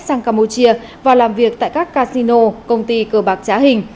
trong campuchia vào làm việc tại các casino công ty cờ bạc trá hình